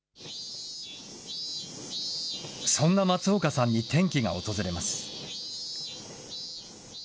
そんな松岡さんに転機が訪れます。